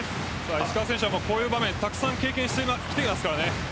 石川選手はこういう場面はたくさん経験してきていますからね。